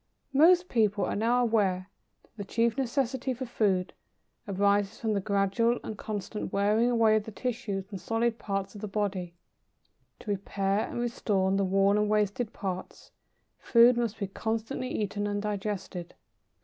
Most people are now aware that the chief necessity for food arises from the gradual and constant wearing away of the tissues and solid parts of the body. To repair and restore the worn and wasted parts, food must be constantly eaten and digested.